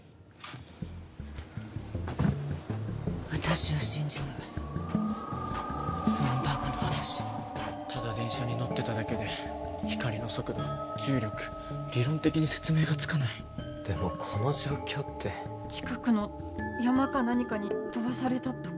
私は信じないそんなバカな話ただ電車に乗ってただけで光の速度重力理論的に説明がつかないでもこの状況って近くの山か何かに飛ばされたとか？